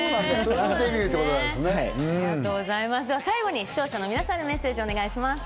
最後に視聴者の皆さんにメッセージをお願いします。